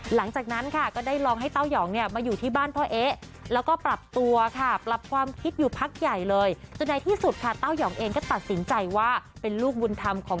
หลังจากนั้นค่ะก็ได้ลองให้เต้ายองเนี่ยมาอยู่ที่บ้านพ่อเอ๊แล้วก็ปรับตัวเกษาปรับความคิดอยู่ภาคใหญ่เหล่ย